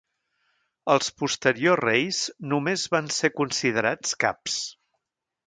Els posteriors reis només van ser considerats caps.